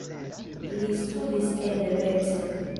Li studis en Debrecen.